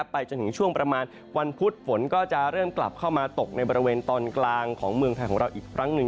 ไปจนถึงช่วงประมาณวันพุธฝนก็จะเริ่มกลับเข้ามาตกในบริเวณตอนกลางของเมืองไทยของเราอีกครั้งหนึ่ง